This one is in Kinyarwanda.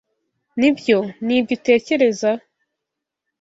Nibyo nibyo utekereza?